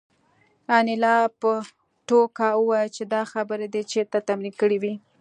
انیلا په ټوکه وویل چې دا خبرې دې چېرته تمرین کړې وې